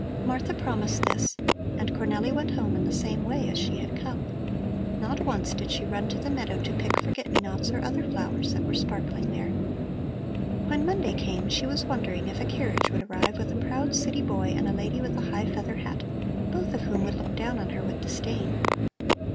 Martha promised this and Cornelli went home in the same way as she had come. Not once did she run to the meadow to pick forget me nots or other flowers that were sparkling there. When Monday came, she was wondering if a carriage would arrive with a proud city boy and a lady with a high feather hat, both of whom would look down on her with disdain.